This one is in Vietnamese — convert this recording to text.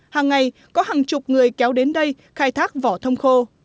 hàng ngày có hàng chục người kéo đến đây khai thác vỏ thông khô